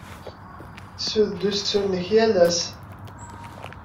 Tettessud-d usu-nnek yal ass?